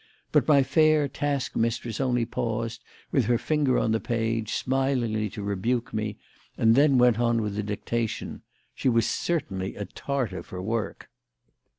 But my fair task mistress only paused, with her finger on the page, smilingly to rebuke me, and then went on with the dictation. She was certainly a Tartar for work.